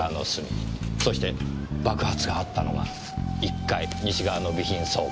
そして爆発があったのが１階西側の備品倉庫。